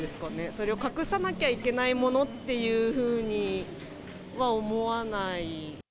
それを隠さなきゃいけないものっていうふうには思わない。